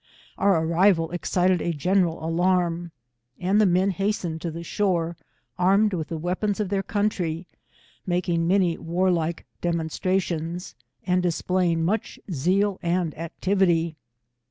Our arrival excited a general alarm, and the men hastened to the shore, armed with the weapons of their country, making many warlike de monstrations, and displaying much Zealand activi ty.